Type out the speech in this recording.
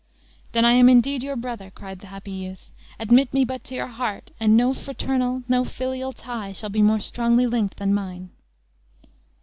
"Then I am indeed your brother!" cried the happy youth; "admit me but to your heart, and no fraternal, no filial tie, shall be more strongly linked than mine."